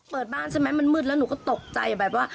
เปิดบ้านใช่ไหมมันมืดแล้วหนูก็ตกใจแบบว่า